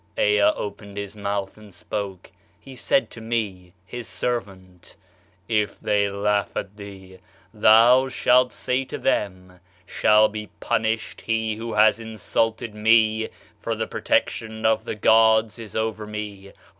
]" [Ea opened his mouth and] spoke. He said to me, his servant: "[If they laugh at thee] thou shalt say to them: [shall be punished] he who has insulted me, [for the protection of the gods] is over me.